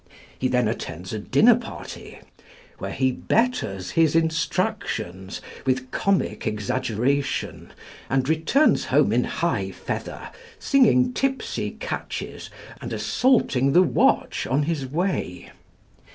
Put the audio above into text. He then attends a dinner party, where he betters his instructions with comic exaggeration and returns home in high feather, singing tipsy catches and assaulting the watch on his way.